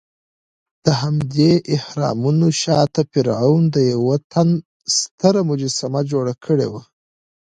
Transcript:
دهمدې اهرامونو شاته فرعون د یوه تن ستره مجسمه جوړه کړې وه.